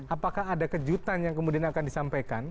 apakah ada kejutan yang kemudian akan disampaikan